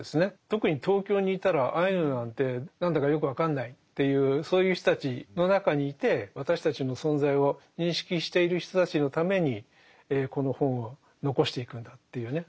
特に東京にいたらアイヌなんて何だかよく分かんないっていうそういう人たちの中にいて私たちの存在を認識している人たちのためにこの本を残していくんだっていうね